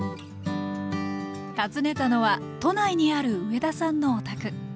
訪ねたのは都内にある上田さんのお宅。